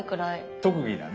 特技だね。